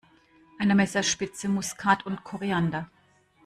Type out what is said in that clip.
Eine Messerspitze Muskat und Koriander.